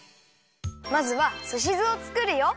まずはすし酢をつくるよ。